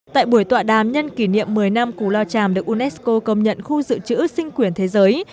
tại buổi tọa đàm nhân kỷ niệm một mươi năm cù lao tràm được unesco công nhận khu dự trữ sinh quyển thế giới